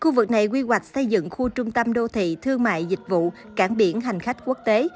khu vực này quy hoạch xây dựng khu trung tâm đô thị thương mại dịch vụ cảng biển hành khách quốc tế